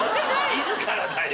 自らだよ。